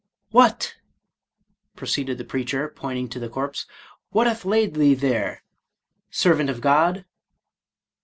" What," proceeded the preacher, point ing to the corse, "Ivhat hath laid thee there, servant of God